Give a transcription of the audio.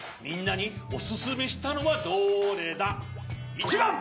１ばん！